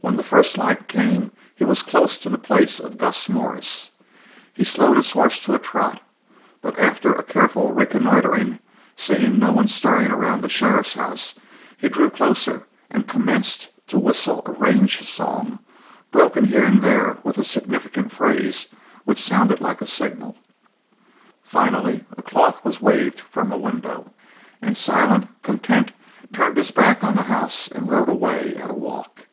When the first light came he was close to the place of Gus Morris. He slowed his horse to a trot, but after a careful reconnoitring, seeing no one stirring around the sheriff's house, he drew closer and commenced to whistle a range song, broken here and there with a significant phrase which sounded like a signal. Finally a cloth was waved from a window, and Silent, content, turned his back on the house, and rode away at a walk.